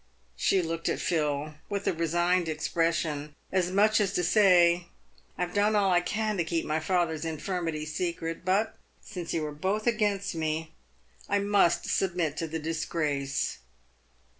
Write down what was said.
She looked at Phil with a resigned expression, as much as to say, "I have done all I canto keep my father's infirmity secret, but, since you are both against me, I must submit to the disgrace."